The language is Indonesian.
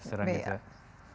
sekarang sudah sangat sulit